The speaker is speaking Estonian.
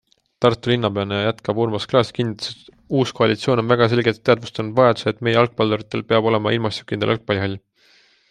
Tartu linnapeana jätkav Urmas Klaas kinnitas, et uus koalitsioon on väga selgelt teadvustanud vajaduse, et meie jalgpalluritel peab olema ilmastikukindel jalgpallihall.